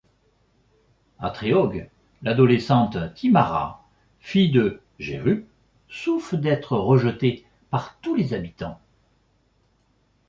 À Trehaug, l'adolescente Thymara, fille de Jerup, souffre d'être rejetée par tous les habitants.